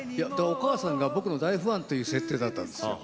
お母さんが僕の大ファンという設定だったんですよ。